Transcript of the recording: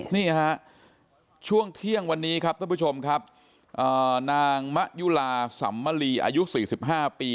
นี่ฮะช่วงเที่ยงวันนี้ครับท่านผู้ชมครับนางมะยุลาสัมมลีอายุ๔๕ปี